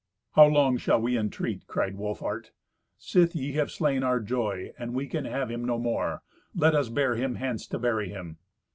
"How long shall we entreat?" cried Wolfhart. "Sith ye have slain our joy, and we can have him no more, let us bear him hence to bury him."